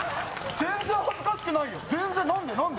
全然恥ずかしくないよ全然何で？